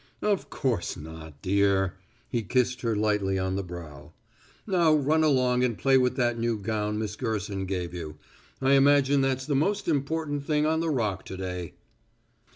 "Of course not, dear." He kissed her lightly on the brow. "Now run along and play with that new gown Miss Gerson gave you. I imagine that's the most important thing on the Rock to day."